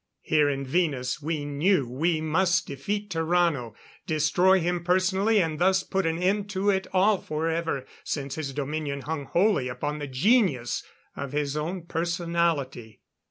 Here in Venus we knew we must defeat Tarrano. Destroy him personally and thus put an end to it all forever, since his dominion hung wholly upon the genius of his own personality.